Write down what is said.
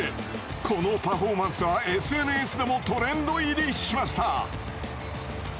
このパフォーマンスはＳＮＳでもトレンド入りしました。